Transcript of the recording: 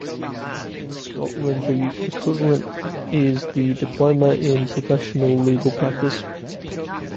In Scotland, the equivalent is the Diploma in Professional Legal Practice.